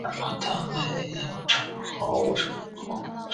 东西向横跨古杨吴城壕。